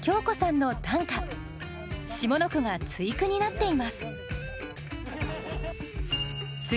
下の句が対句になっています